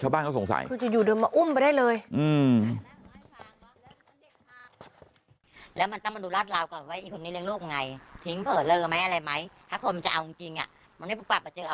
บ้านเขาสงสัยคืออยู่เดินมาอุ้มไปได้เลย